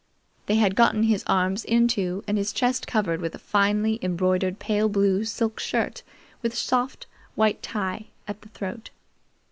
They had gotten his arms into and his chest covered with a finely embroidered, pale blue silk shirt, with soft, white tie at the throat.